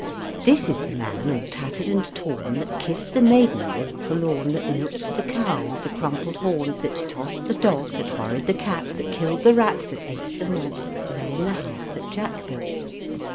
This is the man all tattered and torn, That kissed the maiden all forlorn, That milked the cow with the crumpled horn, That tossed the dog, That worried the cat, That killed the rat, That ate the malt That lay in the house that Jack built.